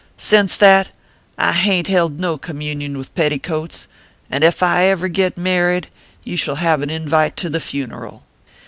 "Sence that, I hain t held no communion with petticoats, and ef I ever get married, you shall hev an invite to the funeral."